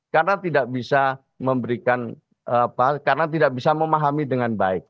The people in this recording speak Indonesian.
karena tidak bisa memberikan karena tidak bisa memahami dengan baik